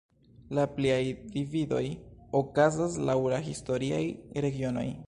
La pliaj dividoj okazas laŭ la historiaj regionoj.